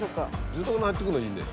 住宅に入ってくのいいね。